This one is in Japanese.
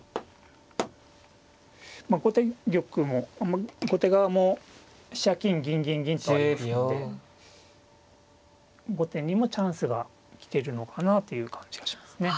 まあ後手玉も後手側も飛車金銀銀銀とありますので後手にもチャンスが来てるのかなという感じがしますね。